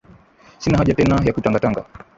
Sina haja tena ya kutanga-tanga,